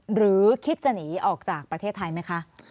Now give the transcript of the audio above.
หรือคิดจะหนีออกจากประเทศไทยไหมคะ